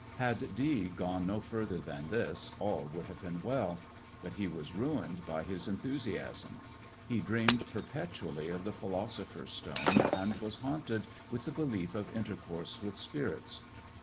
Had Dee gone no further than this, all would have been well; but he was ruined by his enthusiasm; he dreamed perpetually of the philosopher's stone, and was haunted with the belief of intercourse with spirits.